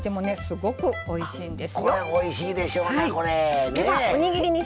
これおいしいでしょうね。